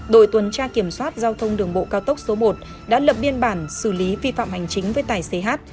đội tuần tra kiểm soát giao thông đường bộ cao tốc số một đã lập biên bản xử lý vi phạm hành chính với tài xế h